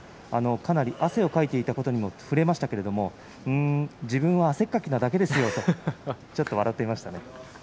かなり汗をかいていたことにも触れましたが自分は汗っかきなだけですとちょっと笑っていました。